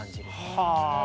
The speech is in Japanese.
はあ！